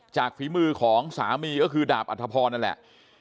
ฝีมือของสามีก็คือดาบอัธพรนั่นแหละ